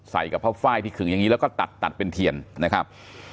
กับผ้าไฟล์ที่ขึงอย่างนี้แล้วก็ตัดตัดเป็นเทียนนะครับ